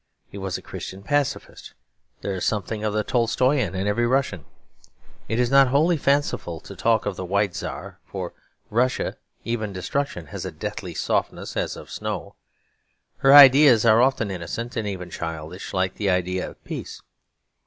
He was a Christian Pacifist; there is something of the Tolstoyan in every Russian. It is not wholly fanciful to talk of the White Czar: for Russia even destruction has a deathly softness as of snow. Her ideas are often innocent and even childish; like the idea of Peace.